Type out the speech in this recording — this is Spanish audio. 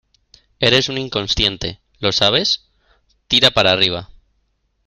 eres un inconsciente, ¿ lo sabes? tira para arriba.